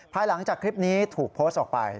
ภายหลังจากคลิปนี้ถูกโพสต์ออกไป